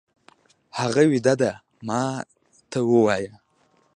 هغه ويده دی، ما ته ووايه!